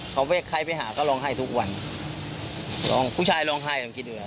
เขาเวกใครไปหาก็ร้องไห้ทุกวันร้องผู้ชายร้องไห้กินเหลือ